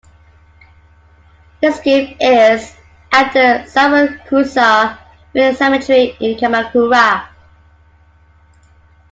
His grave is at the Zaimokuza Reien Cemetery in Kamakura.